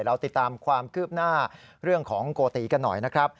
เราติดตามความคืบหน้าเรื่องของโกติกันหน่อยนะครับ